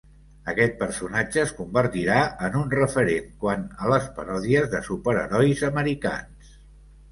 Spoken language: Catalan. Aquest personatge es convertirà en un referent quant a les paròdies de superherois americans.